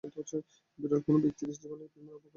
বিরল কোন ব্যক্তির জীবনে এই প্রেমের প্রকাশ ঘটে।